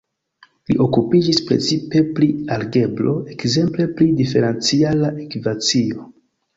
Li okupiĝis precipe pri algebro, ekzemple pri diferenciala ekvacio.